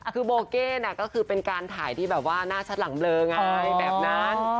คือโบเก้น่ะก็คือเป็นการถ่ายที่แบบว่าหน้าชัดหลังเบลอไงแบบนั้น